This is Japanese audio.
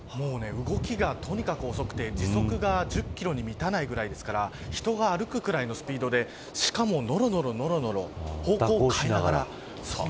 動きがとにかく遅くて時速１０キロに満たないくらいですから人が歩くぐらいのスピードでしかも、のろのろ方向を変えながら。